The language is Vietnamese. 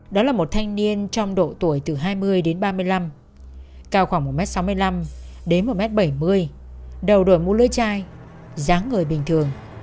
đó là một thanh niên trong độ tuổi từ hai mươi đến ba mươi năm cao khoảng một m sáu mươi năm đến một m bảy mươi đầu đổi mũ lưỡi chai dáng người bình thường